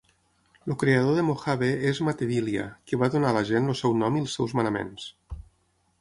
El creador de Mohave és "Matevilya", que va donar a la gent el seu nom i els seus manaments.